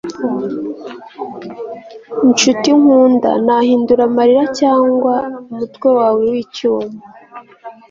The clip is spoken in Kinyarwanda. nshuti nkunda nahindura amarira cyangwa umutwe wawe wicyuma